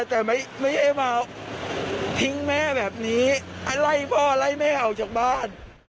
แต่ไม่ได้มาทิ้งแม่แบบนี้ไล่พ่อไล่แม่ออกจากบ้าน